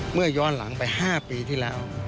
เมื่อย้อนหลังไป๕ปีที่แล้ว